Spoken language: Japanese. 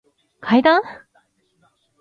階段